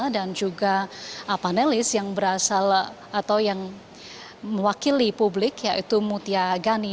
dan juga panelis yang berasal atau yang mewakili publik yaitu mutia gani